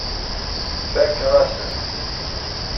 Fakeɣ-asen-tt.